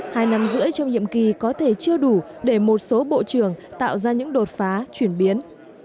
hai năm rưỡi trong nhiệm kỳ có thể chưa đủ để một số bộ trưởng tạo ra những đột phá chuyển biến